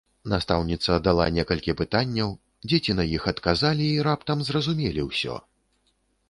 Настаўніца дала некалькі пытанняў, дзеці на іх адказалі і раптам зразумелі ўсё.